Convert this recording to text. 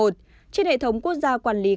trên hệ thống quốc gia quản lý